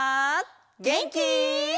げんき？